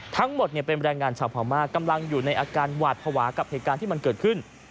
ทั้งหมดเป็นแรงงานชาวพม่ากำลังอยู่ในอาการหวาดภาวะกับเหตุการณ์ที่มันเกิดขึ้น